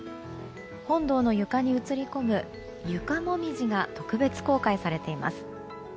本堂の床に映り込む床もみじが特別公開されています。